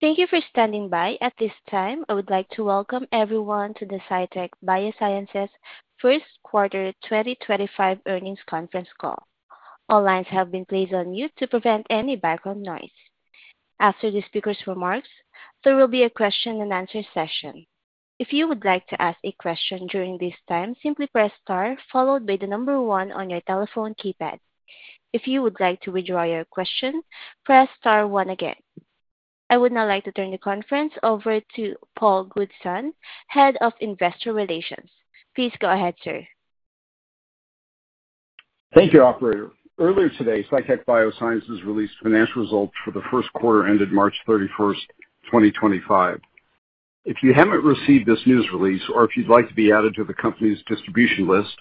Thank you for standing by. At this time, I would like to welcome everyone to the Cytek Biosciences First Quarter 2025 earnings conference call. All lines have been placed on mute to prevent any background noise. After the speaker's remarks, there will be a question-and-answer session. If you would like to ask a question during this time, simply press star, followed by the number one on your telephone keypad. If you would like to withdraw your question, press star one again. I would now like to turn the conference over to Paul Goodson, Head of Investor Relations. Please go ahead, sir. Thank you, Operator. Earlier today, Cytek Biosciences released financial results for the first quarter ended March 31, 2025. If you have not received this news release, or if you would like to be added to the company's distribution list,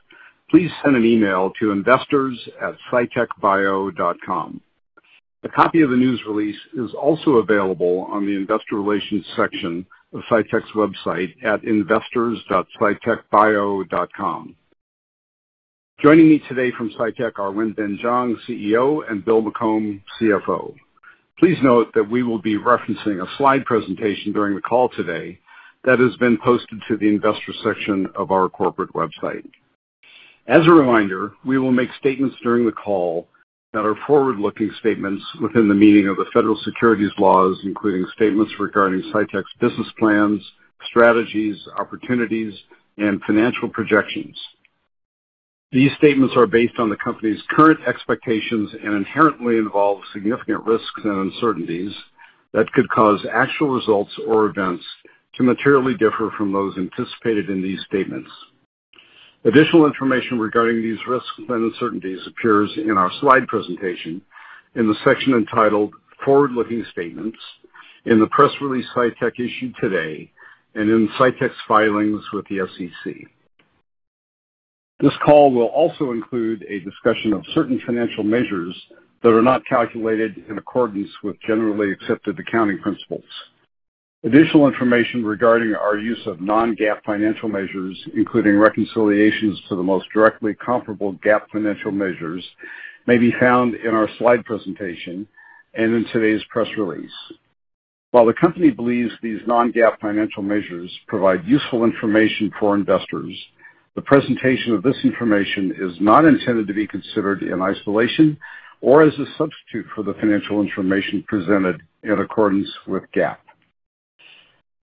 please send an email to investors@cytekbio.com. A copy of the news release is also available on the Investor Relations section of Cytek's website at investors.cytekbio.com. Joining me today from Cytek are Wenbin Jiang, CEO, and Bill McCombe, CFO. Please note that we will be referencing a slide presentation during the call today that has been posted to the Investor section of our corporate website. As a reminder, we will make statements during the call that are forward-looking statements within the meaning of the federal securities laws, including statements regarding Cytek's business plans, strategies, opportunities, and financial projections. These statements are based on the company's current expectations and inherently involve significant risks and uncertainties that could cause actual results or events to materially differ from those anticipated in these statements. Additional information regarding these risks and uncertainties appears in our slide presentation in the section entitled Forward-Looking Statements in the press release Cytek issued today and in Cytek's filings with the SEC. This call will also include a discussion of certain financial measures that are not calculated in accordance with generally accepted accounting principles. Additional information regarding our use of non-GAAP financial measures, including reconciliations to the most directly comparable GAAP financial measures, may be found in our slide presentation and in today's press release. While the company believes these non-GAAP financial measures provide useful information for investors, the presentation of this information is not intended to be considered in isolation or as a substitute for the financial information presented in accordance with GAAP.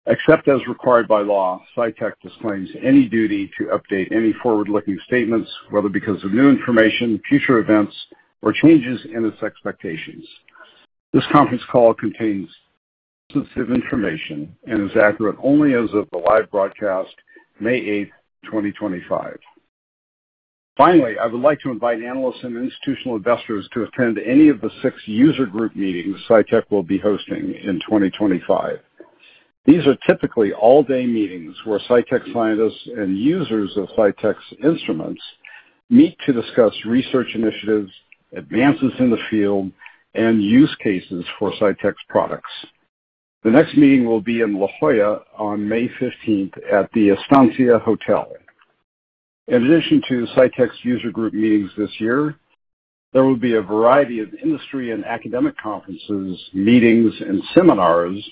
Except as required by law, Cytek disclaims any duty to update any forward-looking statements, whether because of new information, future events, or changes in its expectations. This conference call contains sensitive information and is accurate only as of the live broadcast May 8th, 2025. Finally, I would like to invite analysts and institutional investors to attend any of the six user group meetings Cytek will be hosting in 2025. These are typically all-day meetings where Cytek scientists and users of Cytek's instruments meet to discuss research initiatives, advances in the field, and use cases for Cytek's products. The next meeting will be in La Jolla on May 15th at the Estancia Hotel. In addition to Cytek's user group meetings this year, there will be a variety of industry and academic conferences, meetings, and seminars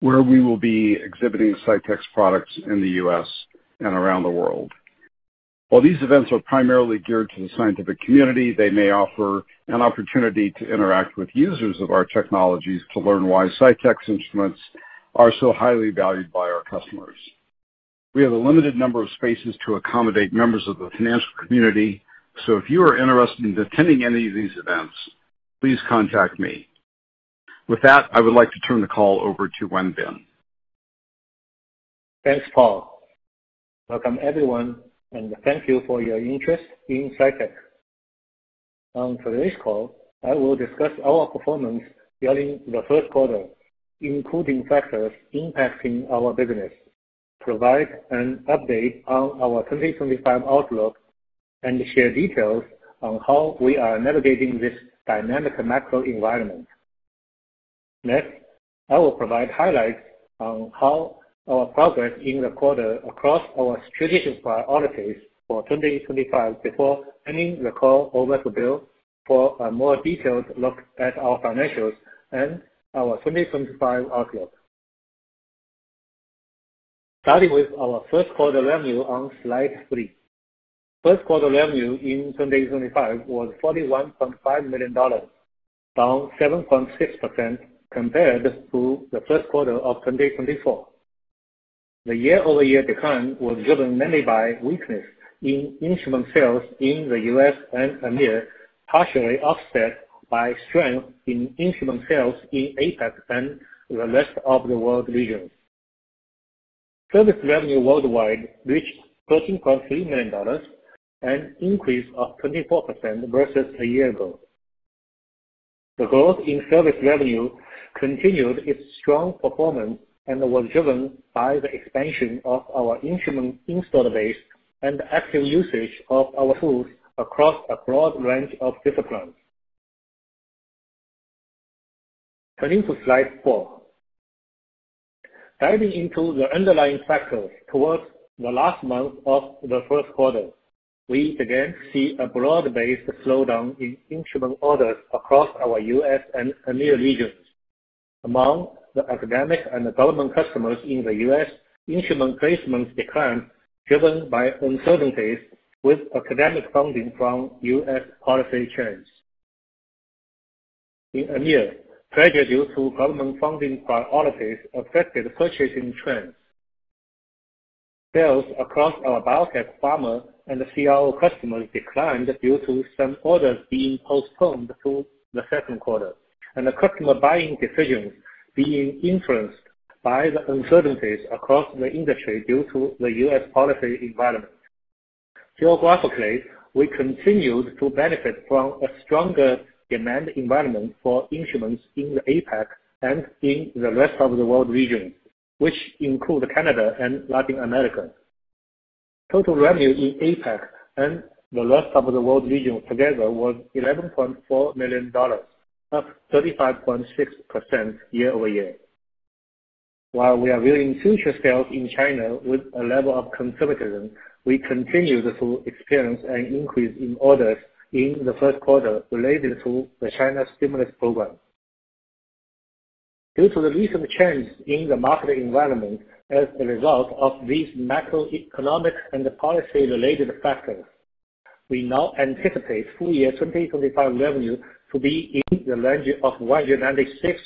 where we will be exhibiting Cytek's products in the U.S. and around the world. While these events are primarily geared to the scientific community, they may offer an opportunity to interact with users of our technologies to learn why Cytek's instruments are so highly valued by our customers. We have a limited number of spaces to accommodate members of the financial community, so if you are interested in attending any of these events, please contact me. With that, I would like to turn the call over to Wenbin. Thanks, Paul. Welcome, everyone, and thank you for your interest in Cytek. On today's call, I will discuss our performance during the first quarter, including factors impacting our business, provide an update on our 2025 outlook, and share details on how we are navigating this dynamic macro environment. Next, I will provide highlights on how our progress in the quarter across our strategic priorities for 2025 before ending the call over to Bill for a more detailed look at our financials and our 2025 outlook. Starting with our first quarter revenue on slide three. First quarter revenue in 2025 was $41.5 million, down 7.6% compared to the first quarter of 2024. The year-over-year decline was driven mainly by weakness in instrument sales in the U.S. and EMEA, partially offset by strength in instrument sales in APAC and the rest of the world regions. Service revenue worldwide reached $13.3 million and increased by 24% versus a year ago. The growth in service revenue continued its strong performance and was driven by the expansion of our instrument installed base and active usage of our tools across a broad range of disciplines. Turning to slide four. Diving into the underlying factors towards the last month of the first quarter, we again see a broad-based slowdown in instrument orders across our U.S. and EMEA regions. Among the academic and government customers in the U.S., instrument placements declined driven by uncertainties with academic funding from U.S. policy change. In EMEA, pressure due to government funding priorities affected purchasing trends. Sales across our Biotech Pharma and CRO customers declined due to some orders being postponed to the second quarter, and the customer buying decisions being influenced by the uncertainties across the industry due to the U.S. policy environment. Geographically, we continued to benefit from a stronger demand environment for instruments in the APAC and in the rest of the world region, which include Canada and Latin America. Total revenue in APAC and the rest of the world region together was $11.4 million, up 35.6% year-over-year. While we are viewing future sales in China with a level of conservatism, we continued to experience an increase in orders in the first quarter related to the China Stimulus Program. Due to the recent change in the market environment as a result of these macroeconomic and policy-related factors, we now anticipate full-year 2025 revenue to be in the range of $196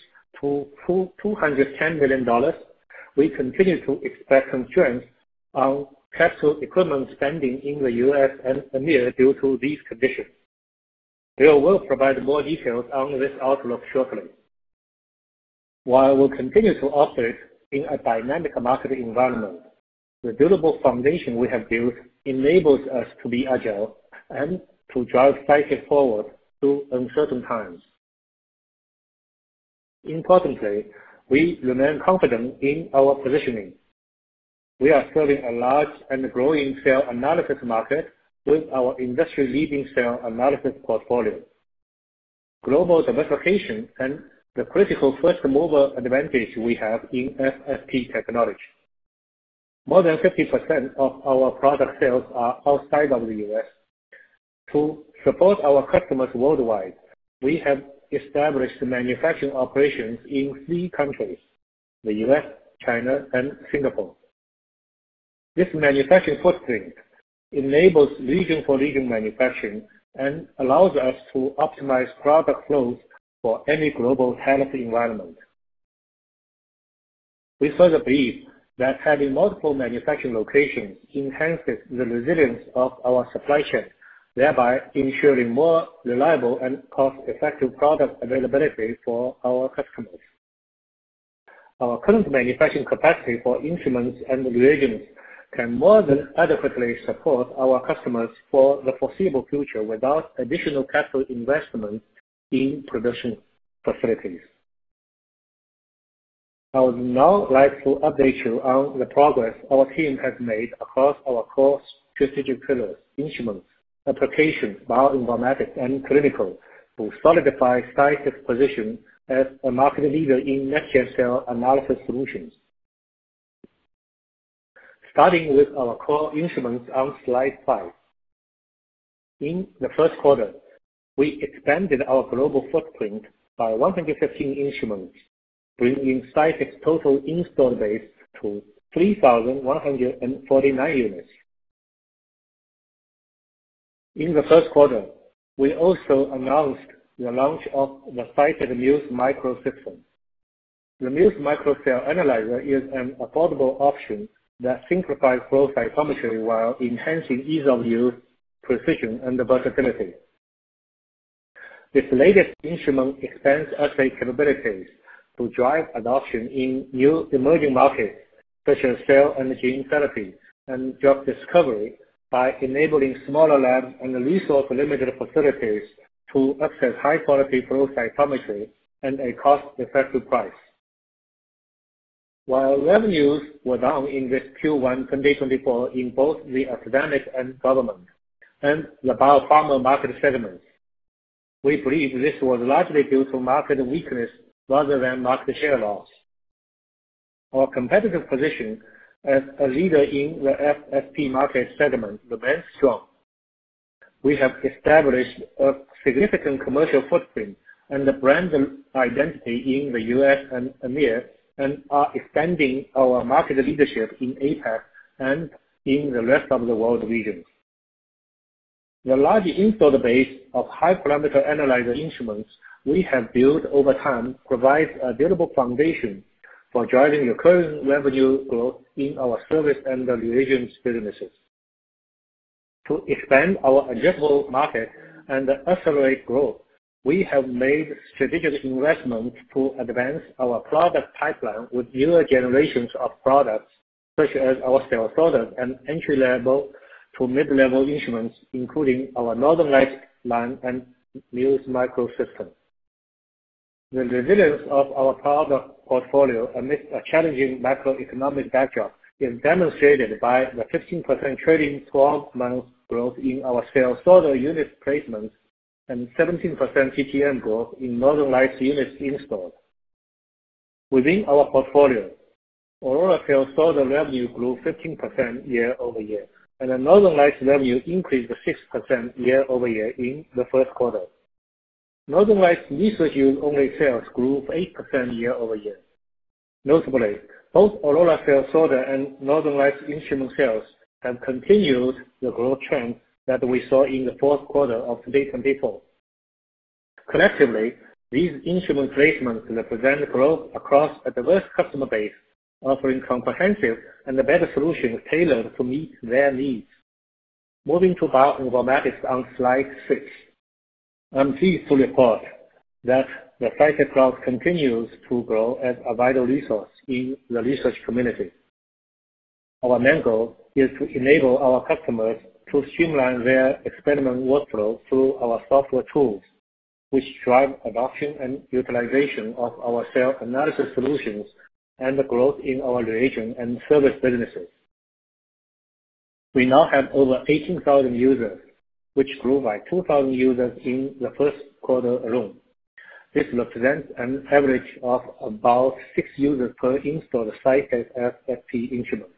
million-$210 million. We continue to expect some strength on capital equipment spending in the U.S. and EMEA due to these conditions. Bill will provide more details on this outlook shortly. While we continue to operate in a dynamic market environment, the durable foundation we have built enables us to be agile and to drive prices forward through uncertain times. Importantly, we remain confident in our positioning. We are serving a large and growing cell analysis market with our industry-leading cell analysis portfolio, global diversification, and the critical first-mover advantage we have in FST technology. More than 50% of our product sales are outside of the U.S. To support our customers worldwide, we have established manufacturing operations in three countries: the U.S., China, and Singapore. This manufacturing footprint enables region-for-region manufacturing and allows us to optimize product flows for any global talent environment. We further believe that having multiple manufacturing locations enhances the resilience of our supply chain, thereby ensuring more reliable and cost-effective product availability for our customers. Our current manufacturing capacity for instruments and reagents can more than adequately support our customers for the foreseeable future without additional capital investments in production facilities. I would now like to update you on the progress our team has made across our core strategic pillars: instruments, applications, bioinformatics, and clinical, to solidify Cytek's position as a market leader in next-gen cell analysis solutions. Starting with our core instruments on slide five. In the first quarter, we expanded our global footprint by 115 instruments, bringing Cytek's total installed base to 3,149 units. In the first quarter, we also announced the launch of the Cytek MUSE Micro system. The MUSE Micro Cell Analyzer is an affordable option that simplifies flow cytometry while enhancing ease of use, precision, and versatility. This latest instrument expands assay capabilities to drive adoption in new emerging markets such as cell and gene therapy and drug discovery by enabling smaller labs and resource-limited facilities to access high-quality flow cytometry at a cost-effective price. While revenues were down in this Q1 2024 in both the academic and government and the biopharma market segments, we believe this was largely due to market weakness rather than market share loss. Our competitive position as a leader in the FST market segment remains strong. We have established a significant commercial footprint and brand identity in the U.S. and EMEA and are expanding our market leadership in APAC and in the rest of the world regions. The large installed base of high-parameter analyzer instruments we have built over time provides a durable foundation for driving recurring revenue growth in our service and reagents businesses. To expand our addressable market and accelerate growth, we have made strategic investments to advance our product pipeline with newer generations of products such as our sales product and entry-level to mid-level instruments, including our Northern Lights line and MUSE Micro system. The resilience of our product portfolio amidst a challenging macroeconomic backdrop is demonstrated by the 15% trailing 12-month growth in our sales Spectro unit placements and 17% TTM growth in Northern Lights units installed. Within our portfolio, Aurora sales Spectro revenue grew 15% year-over-year, and the Northern Lights revenue increased 6% year-over-year in the first quarter. Northern Lights research-use-only sales grew 8% year-over-year. Notably, both Aurora sales Spectro and Northern Lights instrument sales have continued the growth trend that we saw in the fourth quarter of 2024. Collectively, these instrument placements represent growth across a diverse customer base, offering comprehensive and better solutions tailored to meet their needs. Moving to bioinformatics on slide six, I'm pleased to report that the Cytek Cloud continues to grow as a vital resource in the research community. Our main goal is to enable our customers to streamline their experiment workflow through our software tools, which drive adoption and utilization of our sale analysis solutions and growth in our reagent and service businesses. We now have over 18,000 users, which grew by 2,000 users in the first quarter alone. This represents an average of about 6 users per installed Cytek FSP instrument,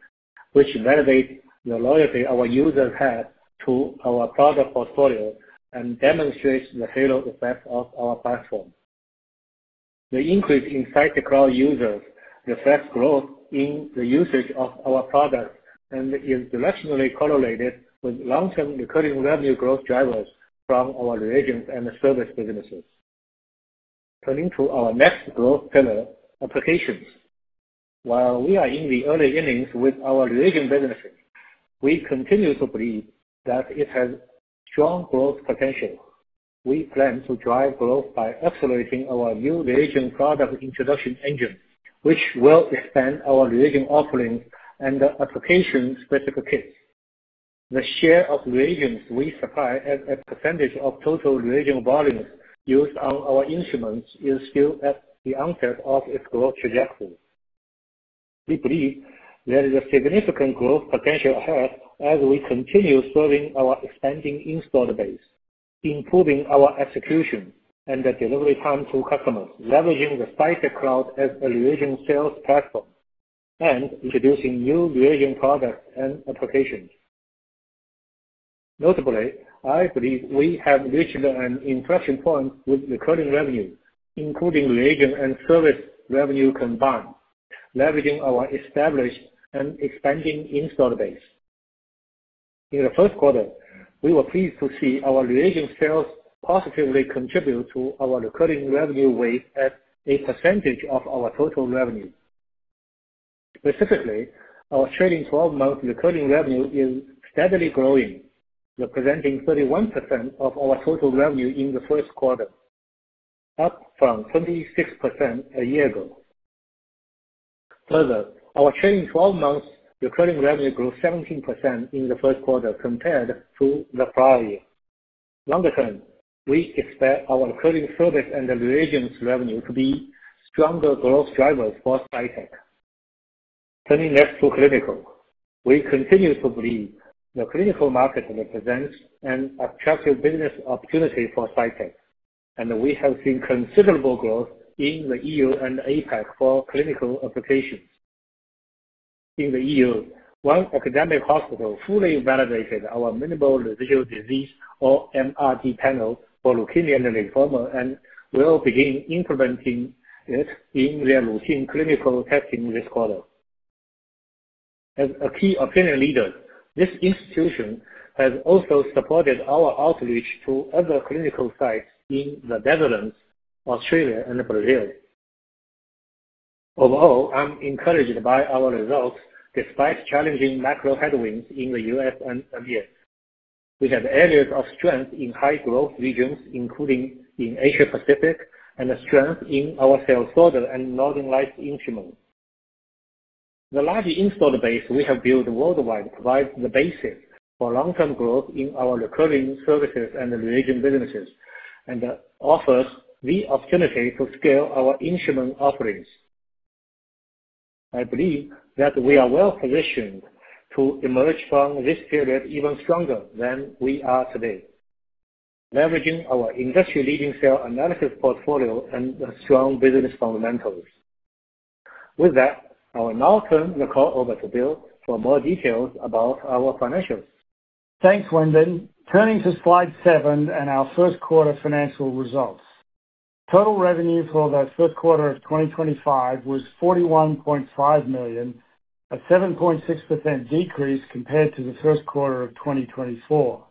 which validates the loyalty our users have to our product portfolio and demonstrates the halo effect of our platform. The increase in Cytek Cloud users reflects growth in the usage of our products and is directionally correlated with long-term recurring revenue growth drivers from our reagents and service businesses. Turning to our next growth pillar, applications. While we are in the early innings with our reagent businesses, we continue to believe that it has strong growth potential. We plan to drive growth by accelerating our new reagent product introduction engine, which will expand our reagent offerings and application specific kits. The share of reagents we supply as a percentage of total reagent volumes used on our instruments is still at the onset of its growth trajectory. We believe there is a significant growth potential ahead as we continue serving our expanding installed base, improving our execution and delivery time to customers, leveraging the Cytek Cloud as a reagent sales platform, and introducing new reagent products and applications. Notably, I believe we have reached an inflection point with recurring revenue, including reagent and service revenue combined, leveraging our established and expanding installed base. In the first quarter, we were pleased to see our reagent sales positively contribute to our recurring revenue wave at a percentage of our total revenue. Specifically, our trailing 12-month recurring revenue is steadily growing, representing 31% of our total revenue in the first quarter, up from 26% a year ago. Further, our trailing 12-month recurring revenue grew 17% in the first quarter compared to the prior year. Longer term, we expect our recurring service and reagents revenue to be stronger growth drivers for Cytek. Turning next to clinical, we continue to believe the clinical market represents an attractive business opportunity for Cytek, and we have seen considerable growth in the EU and APAC for clinical applications. In the EU, one academic hospital fully validated our minimal residual disease or MRD panel for leukemia and lymphoma and will begin implementing it in their routine clinical testing this quarter. As a key opinion leader, this institution has also supported our outreach to other clinical sites in the Netherlands, Australia, and Brazil. Overall, I'm encouraged by our results despite challenging macro headwinds in the U.S. and EMEA. We have areas of strength in high-growth regions, including in Asia-Pacific, and strength in our sales Spectro and Northern Lights instruments. The large installed base we have built worldwide provides the basis for long-term growth in our recurring services and reagent businesses and offers the opportunity to scale our instrument offerings. I believe that we are well positioned to emerge from this period even stronger than we are today, leveraging our industry-leading sale analysis portfolio and strong business fundamentals. With that, I will now turn the call over to Bill for more details about our financials. Thanks, Wenbin. Turning to slide seven and our first quarter financial results. Total revenue for the first quarter of 2025 was $41.5 million, a 7.6% decrease compared to the first quarter of 2024.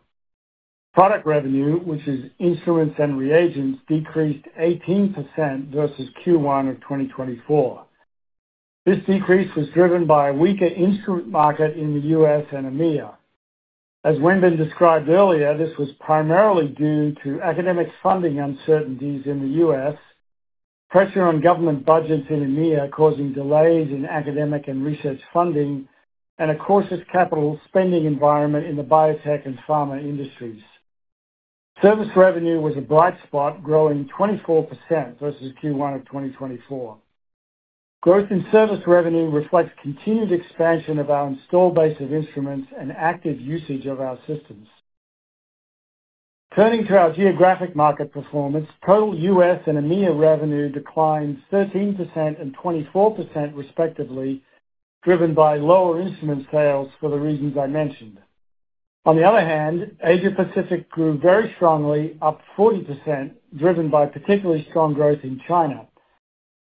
Product revenue, which is instruments and reagents, decreased 18% versus Q1 of 2024. This decrease was driven by a weaker instrument market in the U.S. and EMEA. As Wenbin described earlier, this was primarily due to academic funding uncertainties in the U.S., pressure on government budgets in EMEA causing delays in academic and research funding, and a cautious capital spending environment in the biotech and pharma industries. Service revenue was a bright spot, growing 24% versus Q1 of 2024. Growth in service revenue reflects continued expansion of our installed base of instruments and active usage of our systems. Turning to our geographic market performance, total U.S. and EMEA revenue declined 13% and 24% respectively, driven by lower instrument sales for the reasons I mentioned. On the other hand, Asia-Pacific grew very strongly, up 40%, driven by particularly strong growth in China.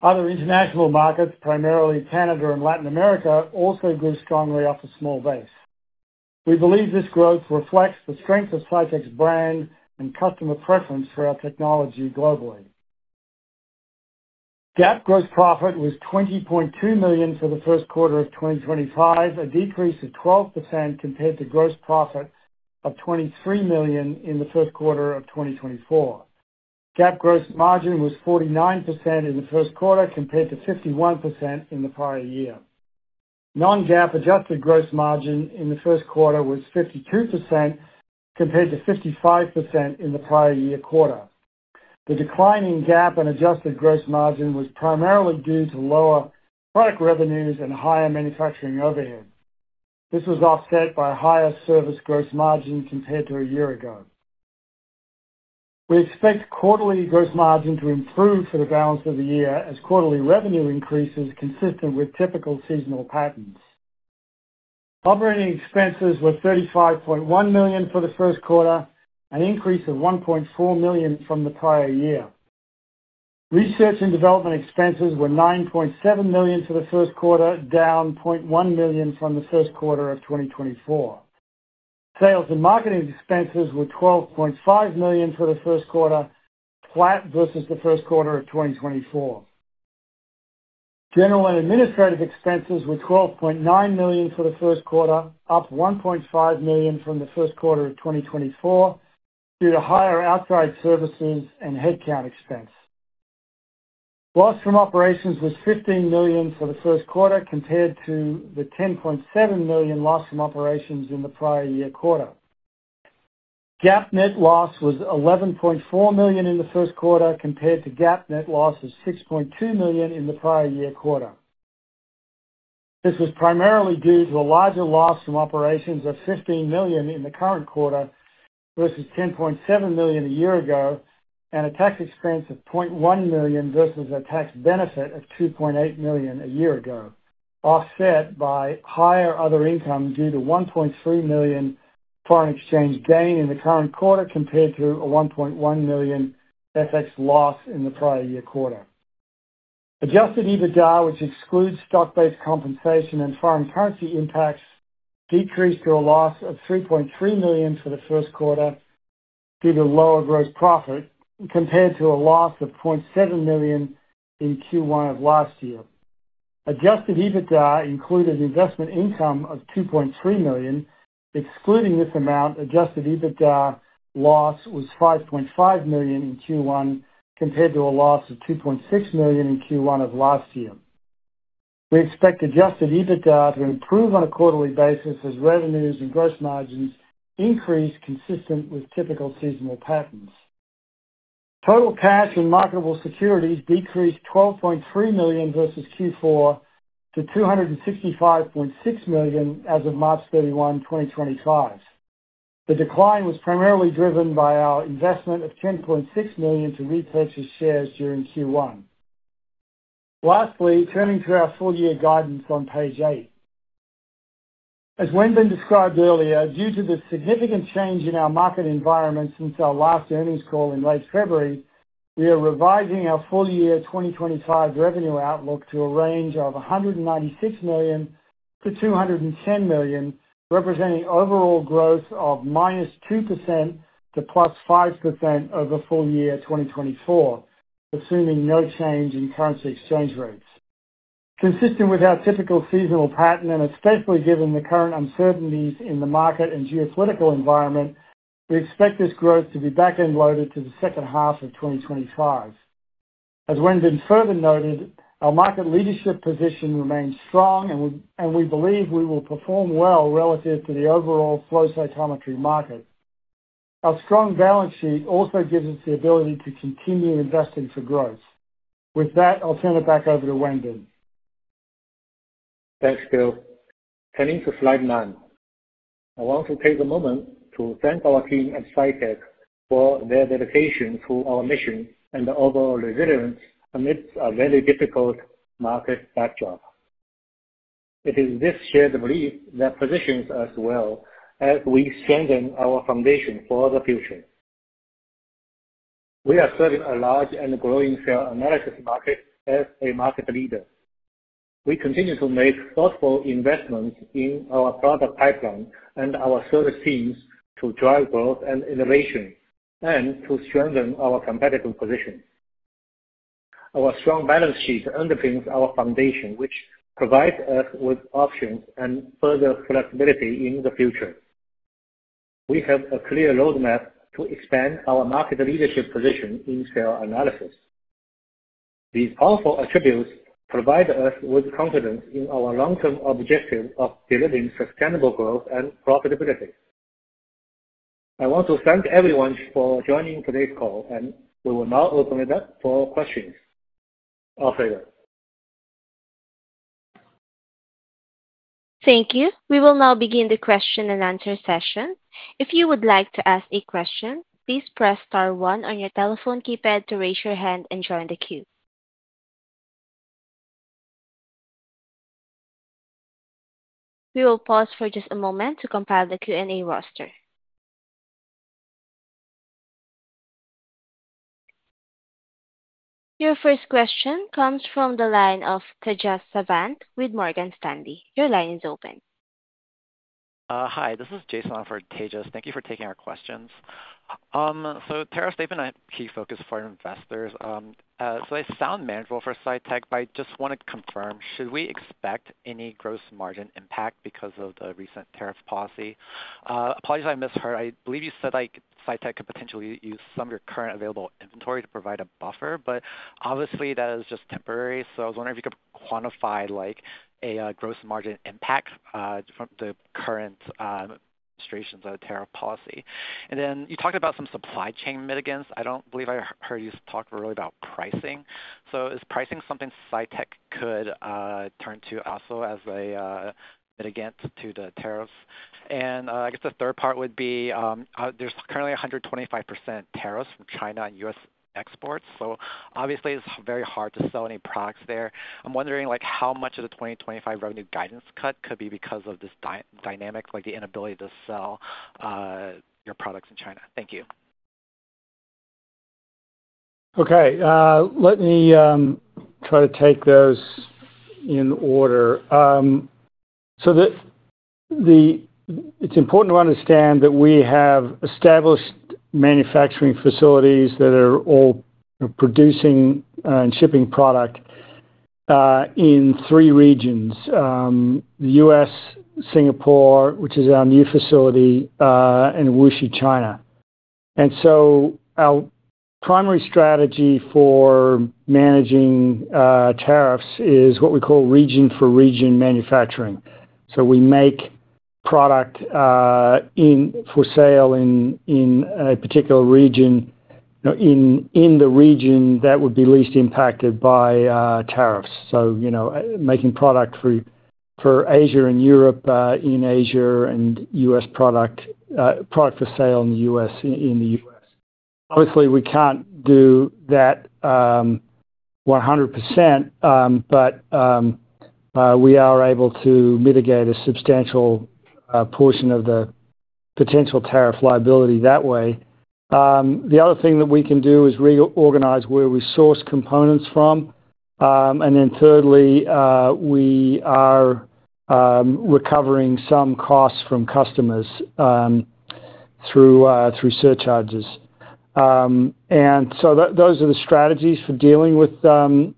Other international markets, primarily Canada and Latin America, also grew strongly off a small base. We believe this growth reflects the strength of Cytek's brand and customer preference for our technology globally. GAAP gross profit was $20.2 million for the first quarter of 2025, a decrease of 12% compared to gross profit of $23 million in the first quarter of 2024. GAAP gross margin was 49% in the first quarter compared to 51% in the prior year. Non-GAAP adjusted gross margin in the first quarter was 52% compared to 55% in the prior year quarter. The declining GAAP and adjusted gross margin was primarily due to lower product revenues and higher manufacturing overhead. This was offset by a higher service gross margin compared to a year ago. We expect quarterly gross margin to improve for the balance of the year as quarterly revenue increases consistent with typical seasonal patterns. Operating expenses were $35.1 million for the first quarter, an increase of $1.4 million from the prior year. Research and development expenses were $9.7 million for the first quarter, down $0.1 million from the first quarter of 2024. Sales and marketing expenses were $12.5 million for the first quarter, flat versus the first quarter of 2024. General and administrative expenses were $12.9 million for the first quarter, up $1.5 million from the first quarter of 2024 due to higher outside services and headcount expense. Loss from operations was $15 million for the first quarter compared to the $10.7 million loss from operations in the prior year quarter. GAAP net loss was $11.4 million in the first quarter compared to GAAP net loss of $6.2 million in the prior year quarter. This was primarily due to a larger loss from operations of $15 million in the current quarter versus $10.7 million a year ago, and a tax expense of $0.1 million versus a tax benefit of $2.8 million a year ago, offset by higher other income due to $1.3 million foreign exchange gain in the current quarter compared to a $1.1 million FX loss in the prior year quarter. Adjusted EBITDA, which excludes stock-based compensation and foreign currency impacts, decreased to a loss of $3.3 million for the first quarter due to lower gross profit compared to a loss of $0.7 million in Q1 of last year. Adjusted EBITDA included investment income of $2.3 million. Excluding this amount, adjusted EBITDA loss was $5.5 million in Q1 compared to a loss of $2.6 million in Q1 of last year. We expect adjusted EBITDA to improve on a quarterly basis as revenues and gross margins increase consistent with typical seasonal patterns. Total cash and marketable securities decreased $12.3 million versus Q4 to $265.6 million as of March 31, 2025. The decline was primarily driven by our investment of $10.6 million to repurchased shares during Q1. Lastly, turning to our full-year guidance on page eight. As Wenbin described earlier, due to the significant change in our market environment since our last earnings call in late February, we are revising our full-year 2025 revenue outlook to a range of $196 million-$210 million, representing overall growth of -2% to +5% over full-year 2024, assuming no change in currency exchange rates. Consistent with our typical seasonal pattern, and especially given the current uncertainties in the market and geopolitical environment, we expect this growth to be back-end loaded to the second half of 2025. As Wenbin further noted, our market leadership position remains strong, and we believe we will perform well relative to the overall flow cytometry market. Our strong balance sheet also gives us the ability to continue investing for growth. With that, I'll turn it back over to Wenbin. Thanks, Bill. Turning to slide nine, I want to take a moment to thank our team at Cytek for their dedication to our mission and the overall resilience amidst a very difficult market backdrop. It is this shared belief that positions us well as we strengthen our foundation for the future. We are serving a large and growing cell analysis market as a market leader. We continue to make thoughtful investments in our product pipeline and our service teams to drive growth and innovation and to strengthen our competitive position. Our strong balance sheet underpins our foundation, which provides us with options and further flexibility in the future. We have a clear roadmap to expand our market leadership position in cell analysis. These powerful attributes provide us with confidence in our long-term objective of delivering sustainable growth and profitability. I want to thank everyone for joining today's call, and we will now open it up for questions. Thank you. We will now begin the question-and-answer session. If you would like to ask a question, please press star one on your telephone keypad to raise your hand and join the queue. We will pause for just a moment to compile the Q&A roster. Your first question comes from the line of Tejas Savant with Morgan Stanley. Your line is open. Hi, this is Jason for Tejas. Thank you for taking our questions. Tariffs have been a key focus for investors. They sound manageable for Cytek, but I just want to confirm, should we expect any gross margin impact because of the recent tariff policy? Apologies if I misheard. I believe you said Cytek could potentially use some of your current available inventory to provide a buffer, but obviously that is just temporary. I was wondering if you could quantify a gross margin impact from the current administration's tariff policy. You talked about some supply chain mitigants. I do not believe I heard you talk earlier about pricing. Is pricing something Cytek could turn to also as a mitigant to the tariffs? The third part would be there are currently 125% tariffs from China and U.S. exports. Obviously, it is very hard to sell any products there. I am wondering how much of the 2025 revenue guidance cut could be because of this dynamic, the inability to sell your products in China. Thank you. Okay. Let me try to take those in order. It is important to understand that we have established manufacturing facilities that are all producing and shipping product in three regions: the U.S., Singapore, which is our new facility, and Wuxi, China. Our primary strategy for managing tariffs is what we call region-for-region manufacturing. We make product for sale in a particular region in the region that would be least impacted by tariffs. Making product for Asia and Europe in Asia and U.S. product for sale in the U.S. Obviously, we cannot do that 100%, but we are able to mitigate a substantial portion of the potential tariff liability that way. The other thing that we can do is reorganize where we source components from. Thirdly, we are recovering some costs from customers through surcharges. Those are the strategies for dealing with the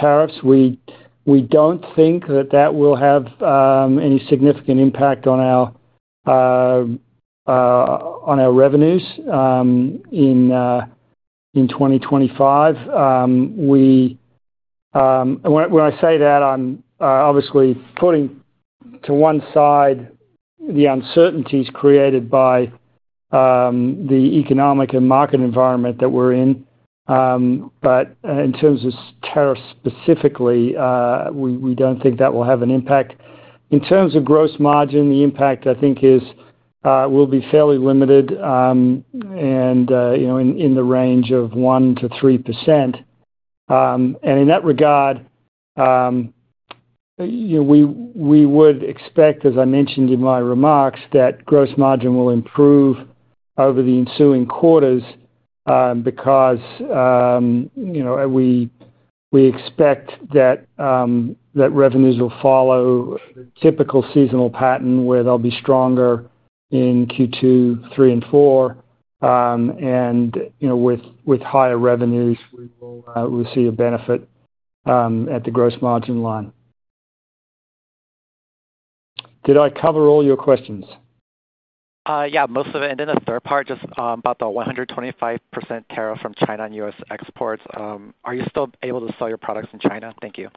tariffs. We do not think that that will have any significant impact on our revenues in 2025. When I say that, I am obviously putting to one side the uncertainties created by the economic and market environment that we are in. In terms of tariffs specifically, we do not think that will have an impact. In terms of gross margin, the impact, I think, will be fairly limited and in the range of 1%-3%. In that regard, we would expect, as I mentioned in my remarks, that gross margin will improve over the ensuing quarters because we expect that revenues will follow the typical seasonal pattern where they will be stronger in Q2, Q3, and Q4. With higher revenues, we will see a benefit at the gross margin line. Did I cover all your questions? Yeah, most of it. Then the third part, just about the 125% tariff from China and U.S. exports. Are you still able to sell your products in China? Thank you.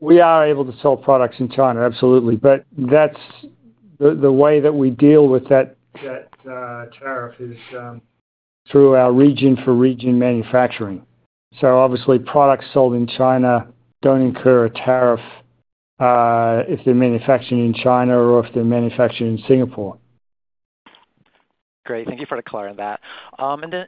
We are able to sell products in China, absolutely. The way that we deal with that tariff is through our region-for-region manufacturing. Obviously, products sold in China do not incur a tariff if they are manufactured in China or if they are manufactured in Singapore. Great. Thank you for clarifying that.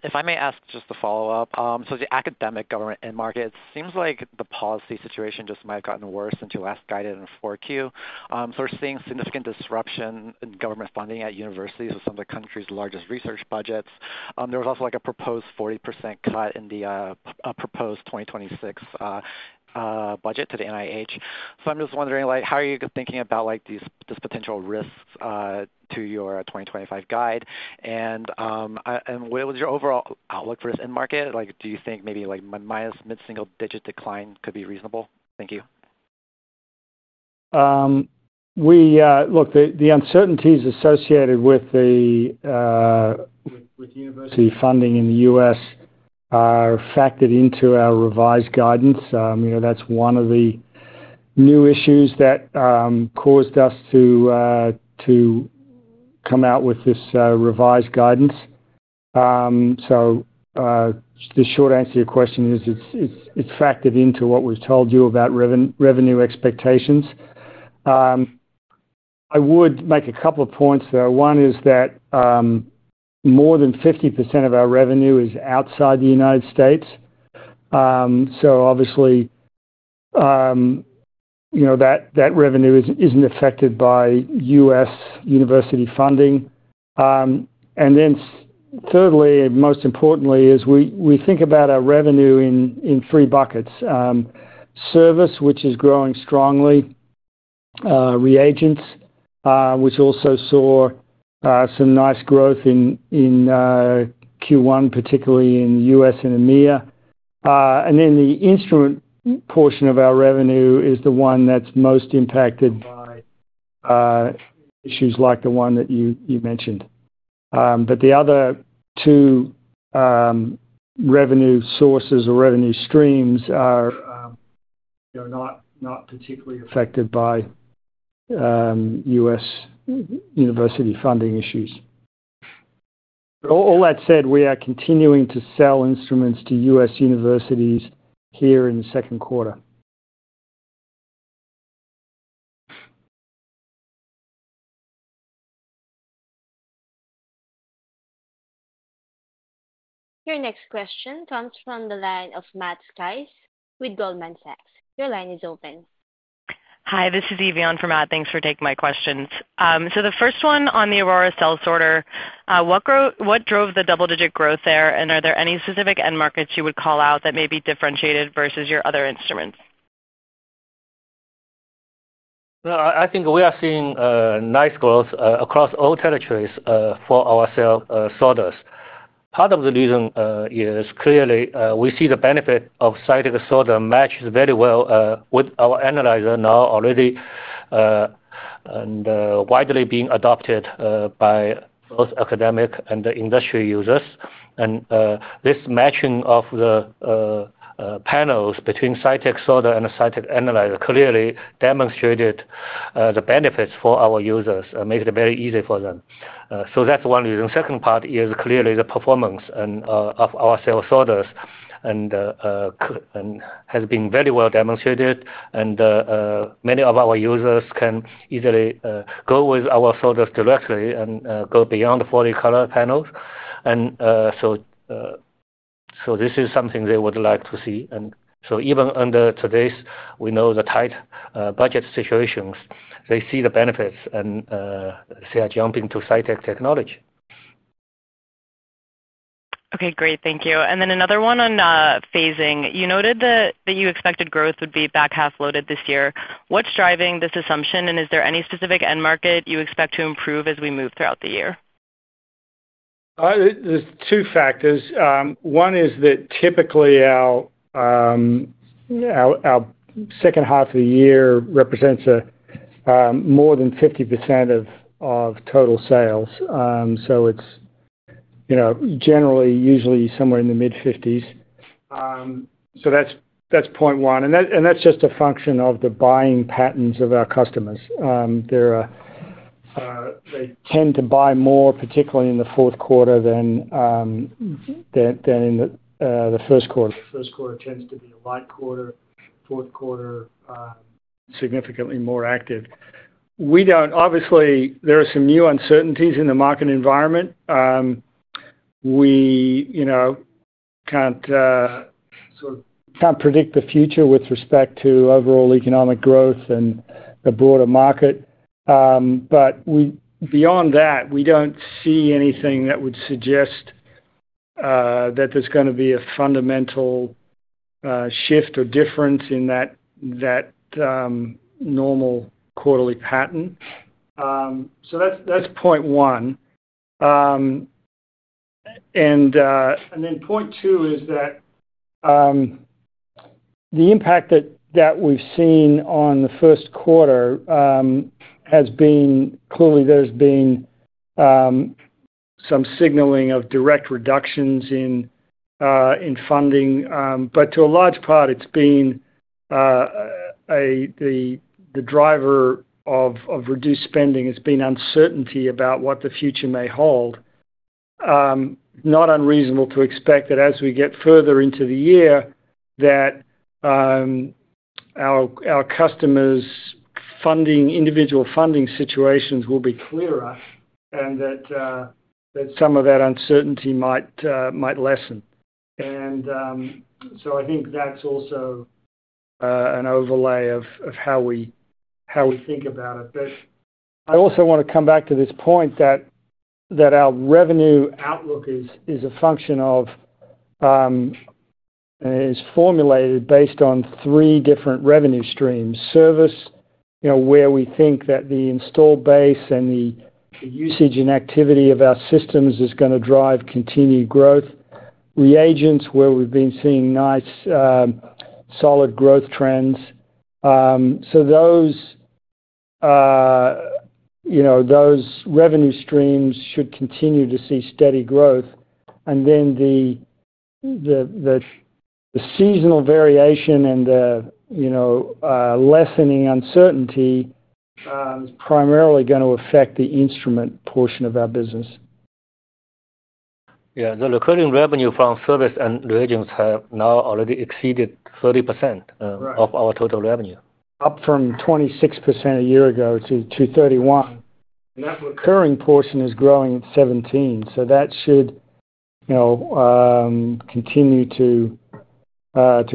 If I may ask just a follow-up, the academic government and market, it seems like the policy situation just might have gotten worse since you last guided in the fourth quarter. We are seeing significant disruption in government funding at universities with some of the country's largest research budgets. There was also a proposed 40% cut in the proposed 2026 budget to the NIH. I'm just wondering, how are you thinking about this potential risk to your 2025 guide? What was your overall outlook for this end market? Do you think maybe a minus mid-single-digit decline could be reasonable? Thank you. Look, the uncertainties associated with university funding in the U.S. are factored into our revised guidance. That's one of the new issues that caused us to come out with this revised guidance. The short answer to your question is it's factored into what we've told you about revenue expectations. I would make a couple of points there. One is that more than 50% of our revenue is outside the United States. Obviously, that revenue isn't affected by U.S. university funding. Thirdly, and most importantly, we think about our revenue in three buckets: service, which is growing strongly; reagents, which also saw some nice growth in Q1, particularly in the U.S. and EMEA. The instrument portion of our revenue is the one that is most impacted by issues like the one that you mentioned. The other two revenue sources or revenue streams are not particularly affected by U.S. university funding issues. All that said, we are continuing to sell instruments to U.S. universities here in the second quarter. Your next question comes from the line of Matt Sykes with Goldman Sachs. Your line is open. Hi, this is Evian from Matt. Thanks for taking my questions. The first one on the Aurora sales order, what drove the double-digit growth there? Are there any specific end markets you would call out that may be differentiated versus your other instruments? I think we are seeing nice growth across all territories for our sales orders. Part of the reason is clearly we see the benefit of Cytek's order matches very well with our analyzer now already and widely being adopted by both academic and industry users. This matching of the panels between Cytek's order and Cytek's analyzer clearly demonstrated the benefits for our users and made it very easy for them. That is one reason. The second part is clearly the performance of our sales orders and has been very well demonstrated. Many of our users can easily go with our orders directly and go beyond the 40-color panels. This is something they would like to see. Even under today's, we know the tight budget situations, they see the benefits and they are jumping to Cytek technology. Okay, great. Thank you. Another one on phasing. You noted that you expected growth would be back half loaded this year. What's driving this assumption? Is there any specific end market you expect to improve as we move throughout the year? There are two factors. One is that typically our second half of the year represents more than 50% of total sales. It is generally usually somewhere in the mid-50%. That is point one. That is just a function of the buying patterns of our customers. They tend to buy more, particularly in the fourth quarter than in the first quarter. The first quarter tends to be a light quarter, fourth quarter significantly more active. Obviously, there are some new uncertainties in the market environment. We can't sort of predict the future with respect to overall economic growth and the broader market. Beyond that, we don't see anything that would suggest that there's going to be a fundamental shift or difference in that normal quarterly pattern. That's point one. Point two is that the impact that we've seen on the first quarter has been clearly there's been some signaling of direct reductions in funding. To a large part, the driver of reduced spending has been uncertainty about what the future may hold. It's not unreasonable to expect that as we get further into the year, our customers' individual funding situations will be clearer and that some of that uncertainty might lessen. I think that's also an overlay of how we think about it. I also want to come back to this point that our revenue outlook is a function of and is formulated based on three different revenue streams: service, where we think that the install base and the usage and activity of our systems is going to drive continued growth; reagents, where we've been seeing nice solid growth trends. Those revenue streams should continue to see steady growth. The seasonal variation and the lessening uncertainty is primarily going to affect the instrument portion of our business. Yeah. The recurring revenue from service and reagents has now already exceeded 30% of our total revenue, up from 26% a year ago to 31%. That recurring portion is growing 17%. That should continue to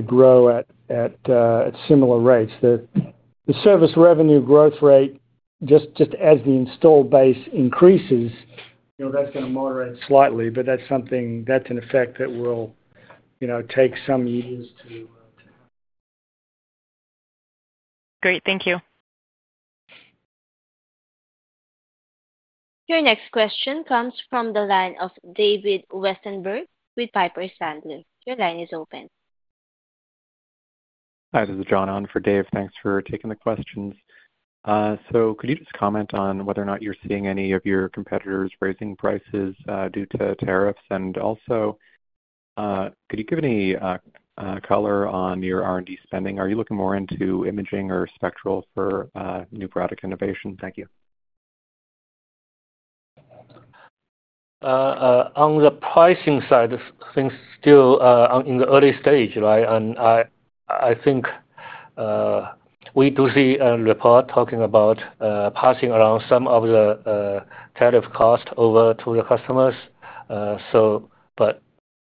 grow at similar rates. The service revenue growth rate, just as the install base increases, that's going to moderate slightly. But that's an effect that will take some years to. Great. Thank you. Your next question comes from the line of David Westenberg with Piper Sandler. Your line is open. Hi. This is John on for David. Thanks for taking the questions. Could you just comment on whether or not you're seeing any of your competitors raising prices due to tariffs? Also, could you give any color on your R&D spending? Are you looking more into imaging or spectral for new product innovation? Thank you. On the pricing side, things are still in the early stage, right? I think we do see a report talking about passing around some of the tariff cost over to the customers.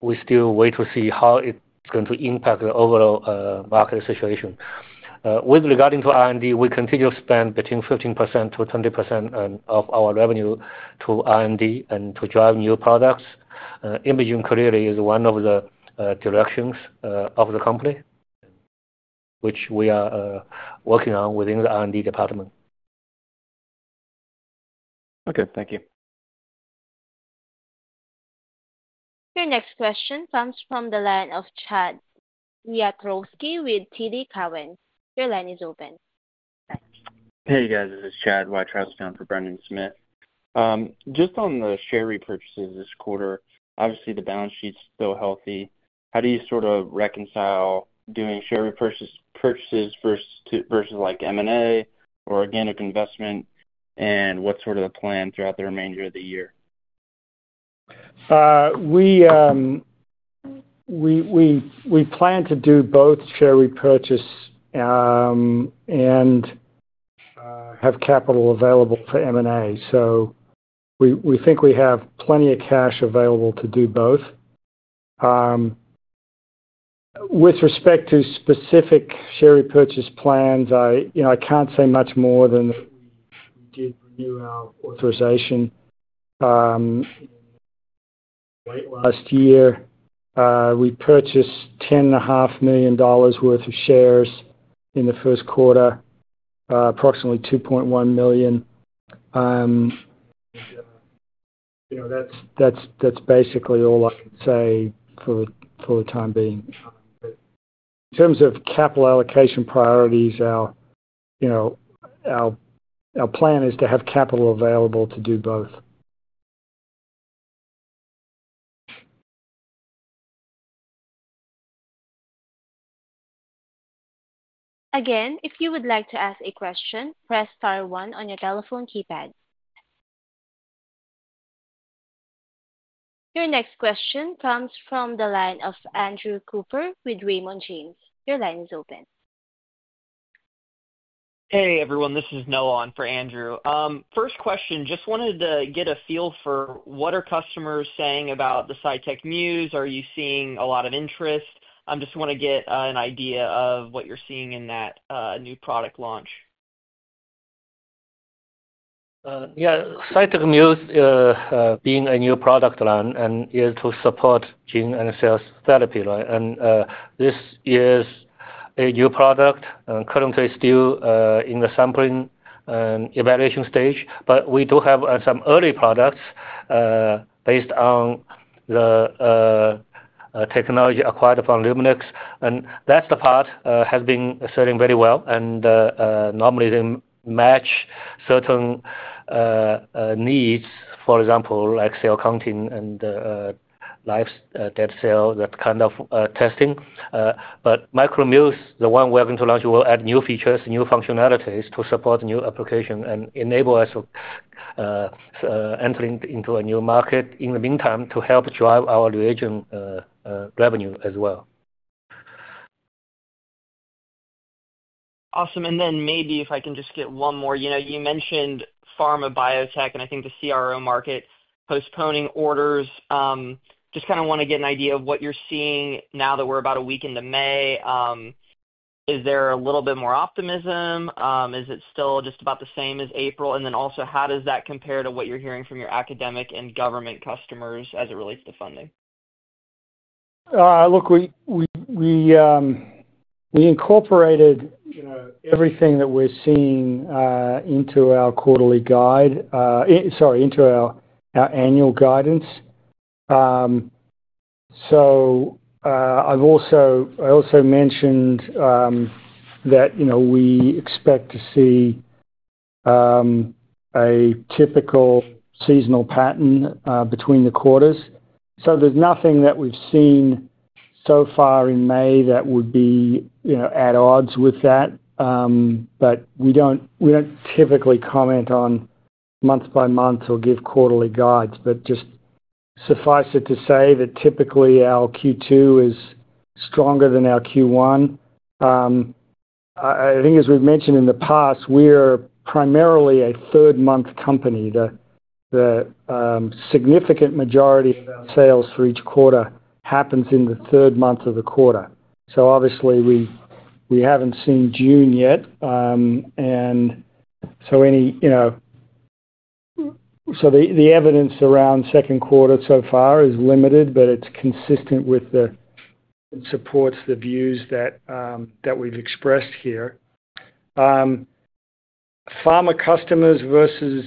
We still wait to see how it's going to impact the overall market situation. With regarding to R&D, we continue to spend between 15%-20% of our revenue to R&D and to drive new products. Imaging clearly is one of the directions of the company, which we are working on within the R&D department. Okay. Thank you. Your next question comes from the line of Chad Wiatrowski with TD Cowen. Your line is open. Hey, guys. This is Chad Wiatrowski down from Brendan Smith. Just on the share repurchases this quarter, obviously, the balance sheet is still healthy. How do you sort of reconcile doing share repurchases versus M&A or organic investment? And what's sort of the plan throughout the remainder of the year? We plan to do both share repurchase and have capital available for M&A. We think we have plenty of cash available to do both. With respect to specific share repurchase plans, I can't say much more than that we did renew our authorization late last year. We purchased $10.5 million worth of shares in the first quarter, approximately 2.1 million. And that's basically all I can say for the time being. In terms of capital allocation priorities, our plan is to have capital available to do both. Again, if you would like to ask a question, press star one on your telephone keypad. Your next question comes from the line of Andrew Cooper with Raymond James. Your line is open. Hey, everyone. This is Noah on for Andrew. First question, just wanted to get a feel for what are customers saying about the Cytek MUSE Micro Cell Analyzer? Are you seeing a lot of interest? I just want to get an idea of what you're seeing in that new product launch. Yeah. Cytek MUSE being a new product line and is to support gene and cell therapy. This is a new product. Currently, it's still in the sampling and evaluation stage. We do have some early products based on the technology acquired from Luminex. That's the part that has been selling very well. Normally, they match certain needs, for example, like cell counting and live dead cell, that kind of testing. Muse Micro, the one we're going to launch, will add new features, new functionalities to support new applications and enable us entering into a new market in the meantime to help drive our reagent revenue as well. Awesome. Maybe if I can just get one more. You mentioned pharma biotech, and I think the CRO market postponing orders. Just kind of want to get an idea of what you're seeing now that we're about a week into May. Is there a little bit more optimism? Is it still just about the same as April? And then also, how does that compare to what you're hearing from your academic and government customers as it relates to funding? Look, we incorporated everything that we're seeing into our quarterly guide, sorry, into our annual guidance. I also mentioned that we expect to see a typical seasonal pattern between the quarters. There's nothing that we've seen so far in May that would be at odds with that. We don't typically comment on month-by-month or give quarterly guides. Just suffice it to say that typically, our Q2 is stronger than our Q1. I think, as we've mentioned in the past, we're primarily a third-month company. The significant majority of our sales for each quarter happens in the third month of the quarter. Obviously, we have not seen June yet. The evidence around second quarter so far is limited, but it is consistent with and supports the views that we have expressed here. Pharma customers versus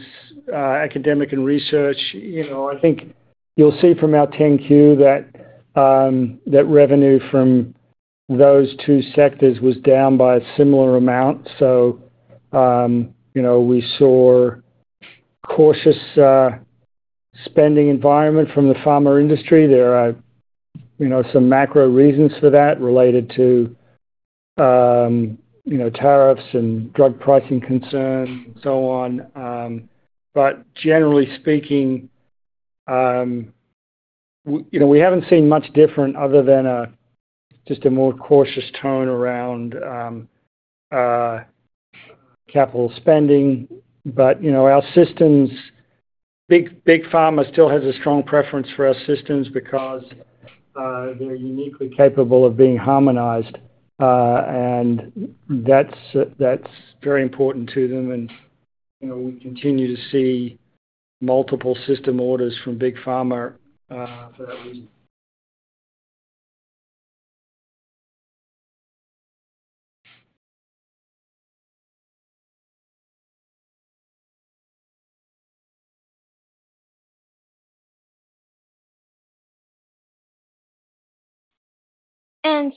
academic and research, I think you will see from our 10-Q that revenue from those two sectors was down by a similar amount. We saw a cautious spending environment from the pharma industry. There are some macro reasons for that related to tariffs and drug pricing concerns and so on. Generally speaking, we have not seen much different other than just a more cautious tone around capital spending. Our systems, big pharma still has a strong preference for our systems because they are uniquely capable of being harmonized. That is very important to them. We continue to see multiple system orders from big pharma for that reason.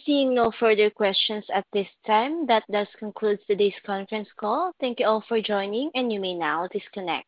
Seeing no further questions at this time, that does conclude today's conference call. Thank you all for joining, and you may now disconnect.